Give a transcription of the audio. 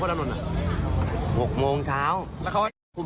สะดุกทองคนดู